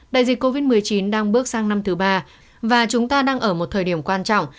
đại dịch covid một mươi chín đang bước sang năm thứ ba và chúng ta đang ở một thời điểm quan trọng